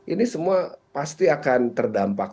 ini semua pasti akan terdampak